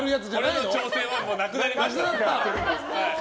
これらの挑戦はもうなくなりました。